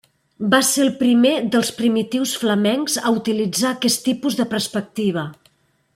Va ser el primer dels primitius flamencs a utilitzar aquest tipus de perspectiva.